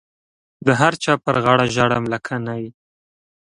د هر چا پر غاړه ژاړم لکه نی.